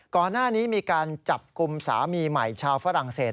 ก่อนหน้านี้มีการจับกลุ่มสามีใหม่ชาวฝรั่งเศส